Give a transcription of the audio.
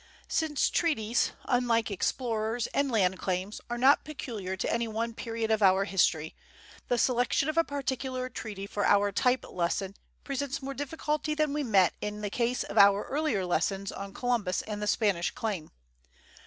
Since treaties, unlike explorers and land claims, are not peculiar to any one period of our history, the selection of a particular treaty for our type lesson presents more difficulty than we met in the case of our earlier lessons on Columbus and the Spanish claim.